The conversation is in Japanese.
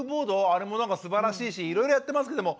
あれもすばらしいしいろいろやってますけども。